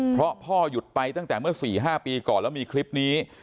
เพราะพ่อหยุดไปตั้งแต่เมื่อ๔๕ปีก่อนแล้วมีคลิปนี้